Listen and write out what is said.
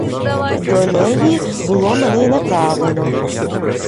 До неї було мене й направлено.